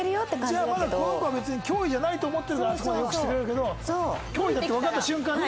じゃあまだこの子は別に脅威じゃないと思ってるからあそこまで良くしてくれるけど脅威だってわかった瞬間に。